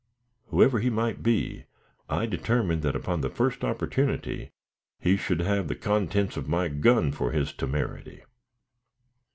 Whoever he might be, I determined that, upon the first opportunity, he should have the contents of my gun for his temerity.